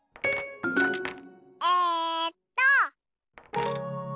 えっと。